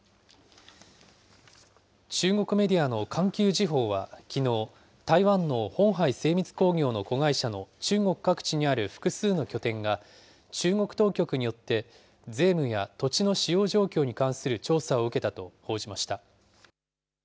中国メディアの環球時報はきのう、台湾のホンハイ精密工業の子会社の中国各地にある複数の拠点が、中国当局によって税務や土地の使用状況に関する調査を受けたと報じました。